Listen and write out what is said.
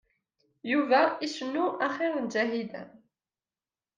Yuba icennu axiṛ n Ǧahida.